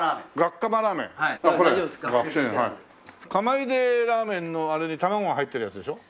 釜ゆでラーメンのあれに卵が入ってるやつでしょ？